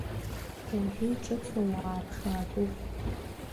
Уажәы иҿыцу ауаа ԥшаатәуп.